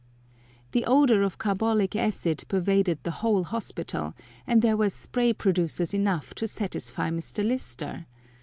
The odour of carbolic acid pervaded the whole hospital, and there were spray producers enough to satisfy Mr. Lister!